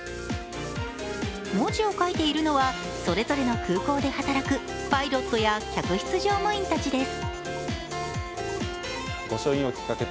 文字を書いているのはそれぞれの空港で働くパイロットや客室乗務員たちです。